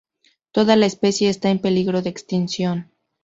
Toda la especie está en peligro de extinción.